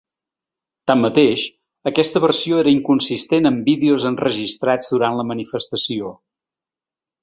Tanmateix, aquesta versió era inconsistent amb vídeos enregistrats durant la manifestació.